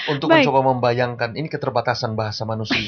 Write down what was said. untuk mencoba membayangkan ini keterbatasan bahasa manusia